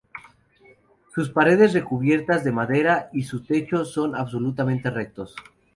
Sus paredes recubiertas de maderas y su techo son absolutamente rectos.